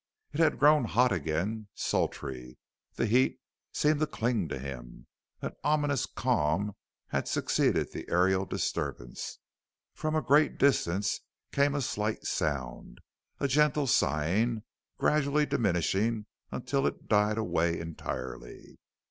It had grown hot again sultry; the heat seemed to cling to him. An ominous calm had succeeded the aerial disturbance. From a great distance came a slight sound a gentle sighing gradually diminishing until it died away entirely.